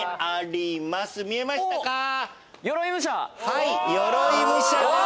はい鎧武者です。